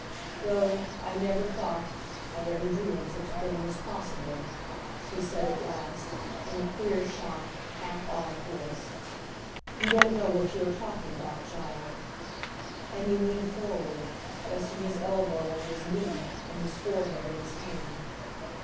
"No, I never thought, I never dreamed such a thing was possible," he said at last, in a queer, shocked, half awed voice. "You don't know what you are talking about, child," and he leaned forward, resting his elbow on his knee and his forehead in his hand.